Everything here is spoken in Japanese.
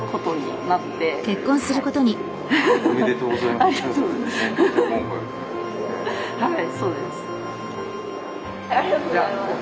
ありがとうございます。